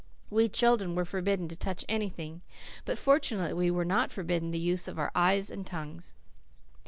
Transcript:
We children were forbidden to touch anything, but fortunately we were not forbidden the use of our eyes and tongues.